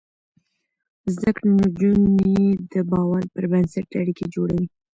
زده کړې نجونې د باور پر بنسټ اړيکې جوړوي.